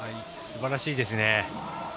すばらしいですね。